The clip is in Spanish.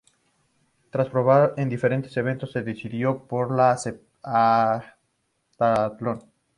Tras probar en diferentes eventos, se decidió por el heptatlón.